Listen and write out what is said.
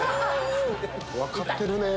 分かってるねぇ。